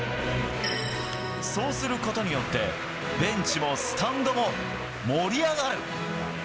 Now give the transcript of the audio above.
そうすることによってベンチもスタンドも盛り上がる」。